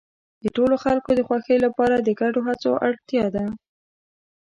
د ټولو خلکو د خوښۍ لپاره د ګډو هڅو اړتیا ده.